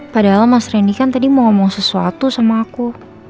padahal mas randy kan tadi mau ngomong sesuatu sama aku